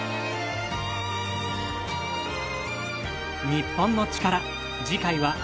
『日本のチカラ』次回は秋田県。